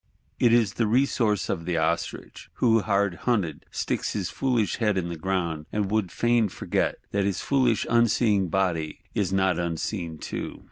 It is the resource of the Ostrich; who, hard hunted, sticks his foolish head in the ground, and would fain forget that his foolish unseeing body is not unseen too.